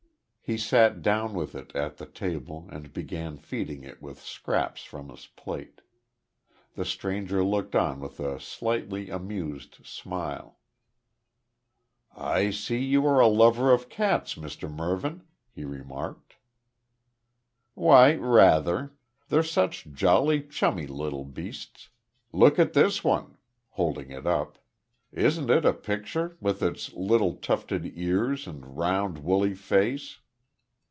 He sat down with it at the table, and began feeding it with scraps from his plate. The stranger looked on with a slightly amused smile. "I see you are a lover of cats, Mr Mervyn," he remarked. "Why, rather. They're such jolly, chummy little beasts. Look at this one," holding it up. "Isn't it a picture, with its little tufted ears and round, woolly face?"